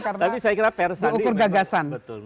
karena diukur gagasan